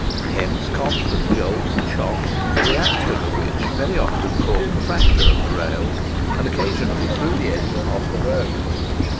Hence constant jolts and shocks, the reaction of which very often caused the fracture of the rails, and occasionally threw the engine off the road.